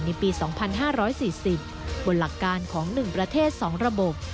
ในปี๒๕๔๐บนหลักการของ๑ประเทศ๒ระบบ